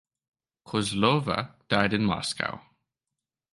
Kozlova died in Moscow.